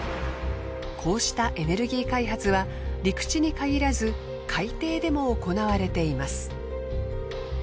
こうしたエネルギー開発は陸地に限らず海底でも行われています。